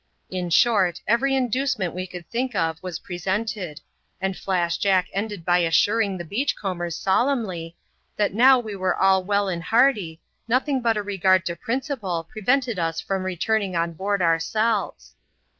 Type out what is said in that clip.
In short, every inducement we could think of was pre sented ; and Flash Jack ended by assuring the beach comlbers solemnly, that now we were all well and hearty, nothing but SL regard to principle prevented us from returning on biaid ourselves.